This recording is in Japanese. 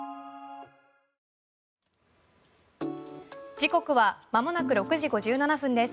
時刻はまもなく６時５７分です。